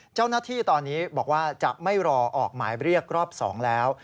เจ้าหน้าที่ตอนนี้บอกว่าจะไม่รอออกหมายเรียกรอบ๒แล้ว